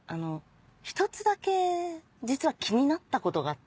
１つだけ実は気になったことがあって。